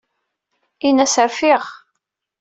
Ini-as rfiɣ.